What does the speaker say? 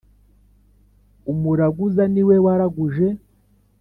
umuraguza ni we waraguje